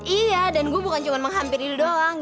iya dan gue bukan cuma menghampiri doang